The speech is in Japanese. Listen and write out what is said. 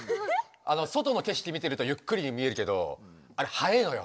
外の景色見てるとゆっくりに見えるけどあれはえのよ。